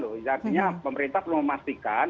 artinya pemerintah perlu memastikan